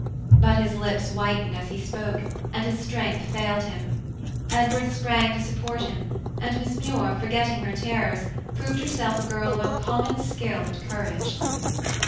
But his lips whitened as he spoke, and his strength failed him. Edward sprang to support him, and Miss Muir, forgetting her terrors, proved herself a girl of uncommon skill and courage.